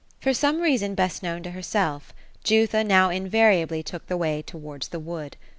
For some reason best known to herself, Jutha now invariably took the way towards the wood.